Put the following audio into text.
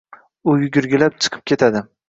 U yugurgilab chiqib ketadi.